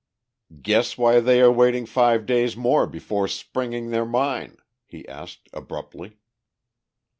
"Guess why they are waiting five days more before springing their mine?" he asked abruptly.